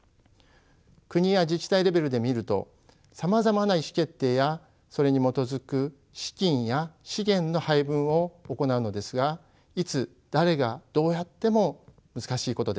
国や自治体レベルで見るとさまざまな意思決定やそれに基づく資金や資源の配分を行うのですがいつ誰がどうやっても難しいことです。